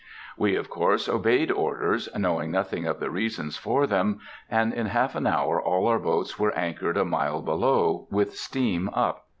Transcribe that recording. We of course obeyed orders, knowing nothing of the reasons for them, and in half an hour all our boats were anchored a mile below, with steam up.